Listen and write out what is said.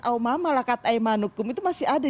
au ma ma lakat aymanukum itu masih ada